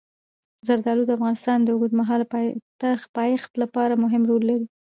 زردالو د افغانستان د اوږدمهاله پایښت لپاره مهم رول لري.